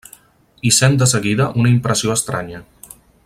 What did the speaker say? Hi sent de seguida una impressió estranya.